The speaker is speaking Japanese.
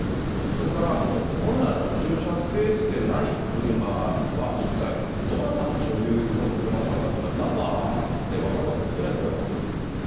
それから本来の駐車スペースでない車は、一体どなたの所有の車なのかっていうのは、ナンバーで分かるわけですよね、これは。